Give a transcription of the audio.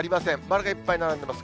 丸がいっぱい並んでいます。